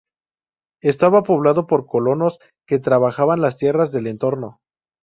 Estaba poblado por colonos que trabajaban las tierras del entorno.